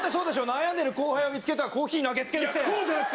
悩んでる後輩を見つけたらコーヒー投げつけるって。